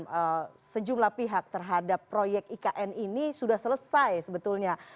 kemudian sejumlah pihak terhadap proyek ikn ini sudah selesai sebetulnya